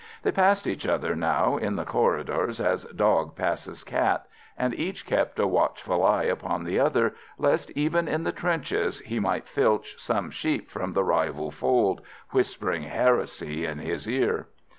They passed each other now in the corridors as dog passes cat, and each kept a watchful eye upon the other lest even in the trenches he might filch some sheep from the rival fold, whispering heresy in his ear.